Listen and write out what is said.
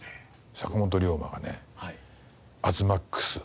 坂本龍馬がね東ＭＡＸ。